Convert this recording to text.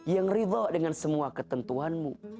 yang ridho dengan semua ketentuanmu